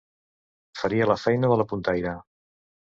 Faria la feina de la puntaire.